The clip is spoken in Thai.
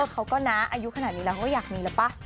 เขาก็นะอายุขนาดนี้แล้วเขาก็อยากมีแล้วป่ะ